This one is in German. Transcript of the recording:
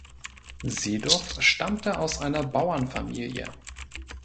Sedow stammte aus einer Bauernfamilie.